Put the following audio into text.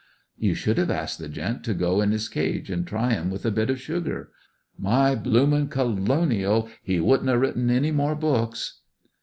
"You should have asked the gent to go in his cage an' try 'im with a bit of sugar. My bloomin' Colonial! He wouldn't have written any more books."